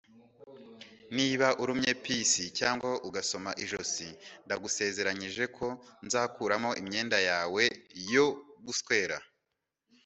niba urumye pis cyangwa ugasoma ijosi, ndagusezeranyije ko nzakuramo imyenda yawe yo guswera